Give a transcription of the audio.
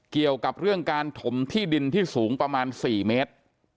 เกี่ยวกับเรื่องการถมที่ดินที่สูงประมาณ๔เมตร